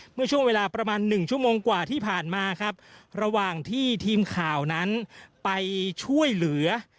เมื่อช่วงเวลาประมาณหนึ่งชั่วโมงกว่าที่ผ่านมาครับระหว่างที่ทีมข่าวนั้นไปช่วยเหลือ